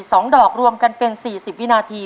สองดอกรวมกันเป็น๔๐วินาที